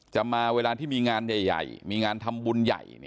จะมาเวลาที่มีงานใหญ่มีงานทำบุญใหญ่